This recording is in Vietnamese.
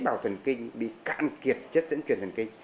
nó tạo thần kinh bị cạn kiệt chất dẫn truyền thần kinh